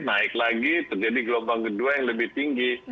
naik lagi terjadi gelombang kedua yang lebih tinggi